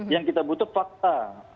yang kita butuh fakta